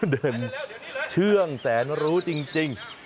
เดินเชื่องแสนรู้จริง